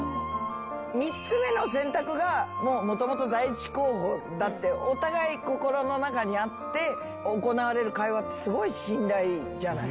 ３つ目の選択がもうもともと第一候補だってお互い心の中にあって行われる会話ってすごい信頼じゃない。